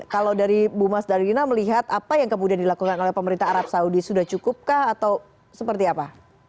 kalau dari bu mas dalina melihat apa yang kemudian dilakukan oleh pemerintah arab saudi sudah cukupkah atau seperti apa